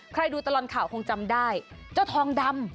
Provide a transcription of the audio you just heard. ดูตลอดข่าวคงจำได้เจ้าทองดำ